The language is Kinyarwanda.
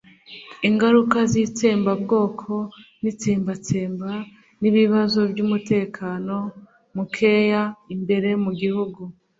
ingaruka z'itsembabwoko n'itsembatsemba n'ibibazo by'umutekano mukeya imbere mu gihugu.